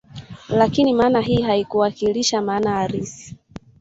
Lakini maana hii haiwakilishi maana halisi